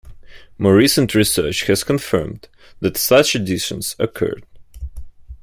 More recent research has confirmed that such additions occurred.